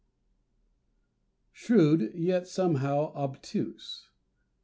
"_Shrewd," Yet Somehow Obtuse!